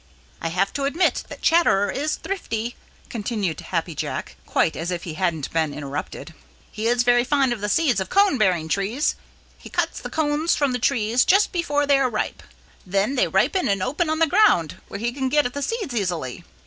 "I have to admit that Chatterer is thrifty," continued Happy Jack, quite as if he hadn't been interrupted. "He is very fond of the seeds of cone bearing trees. He cuts the cones from the trees just before they are ripe. Then they ripen and open on the ground, where he can get at the seeds easily.